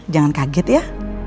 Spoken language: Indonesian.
jangan kaget ya